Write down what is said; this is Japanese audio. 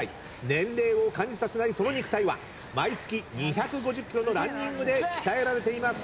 年齢を感じさせないその肉体は毎月２５０ｋｍのランニングで鍛えられています。